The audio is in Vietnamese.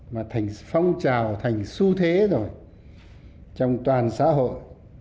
mà phong trào thành su thế rồi trong toàn xã hội